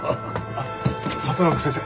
あっ里中先生